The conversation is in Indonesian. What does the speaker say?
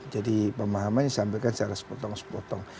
jadi pemahaman yang disampaikan secara sepotong sepotong